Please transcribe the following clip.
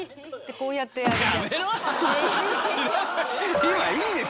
こうやってあげる。